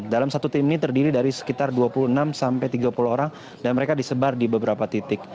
dalam satu tim ini terdiri dari sekitar dua puluh enam sampai tiga puluh orang dan mereka disebar di beberapa titik